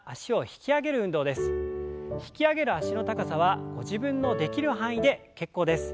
引き上げる脚の高さはご自分のできる範囲で結構です。